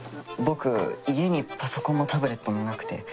僕家にパソコンもタブレットもなくて。